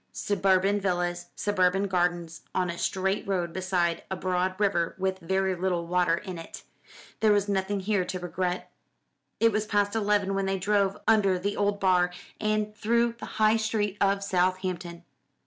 Suburban villas, suburban gardens on a straight road beside a broad river with very little water in it. There was nothing here to regret. It was past eleven when they drove under the old bar, and through the high street of Southampton.